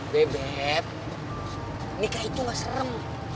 bebep nikah itu gak serem